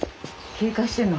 警戒してんの？